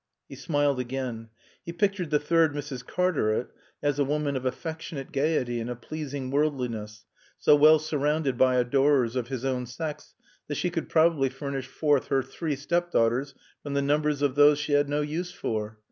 He smiled again. He pictured the third Mrs. Cartaret as a woman of affectionate gaiety and a pleasing worldliness, so well surrounded by adorers of his own sex that she could probably furnish forth her three stepdaughters from the numbers of those she had no use for.